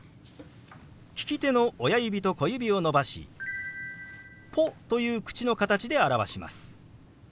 利き手の親指と小指を伸ばし「ポ」という口の形で表します。